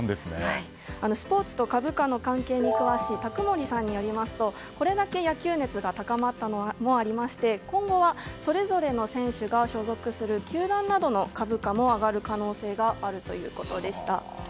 スポーツと株価の関係に詳しい宅森さんによりますとこれだけ野球熱が高まったことがありまして今後はそれぞれの選手が所属する球団などの株価も上がる可能性があるということでした。